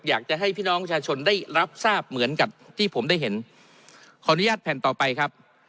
อยากจะให้พี่น้องประชาชนได้รับทราบเหมือนกับที่ผมได้เห็นขออนุญาตแผ่นต่อไปครับ